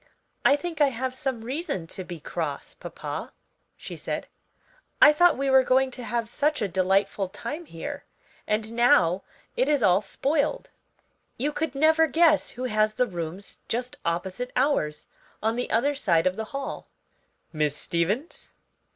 "I think I have some reason to be cross, papa," she said; "I thought we were going to have such a delightful time here, and now it is all spoiled. You could never guess who has the rooms just opposite ours; on the other side of the hall." "Miss Stevens?"